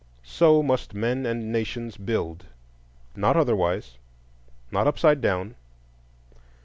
So must men and nations build, not otherwise, not upside down.